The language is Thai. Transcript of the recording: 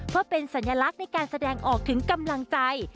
ว่าเป็นสัญลักษณ์ในการแสดงออกถึงกำลังใจ